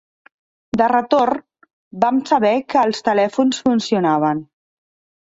De retorn, vam saber que els telèfons funcionaven